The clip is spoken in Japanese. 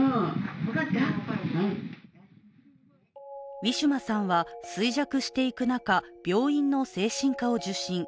ウィシュマさんは衰弱していく中、病院の精神科を受診。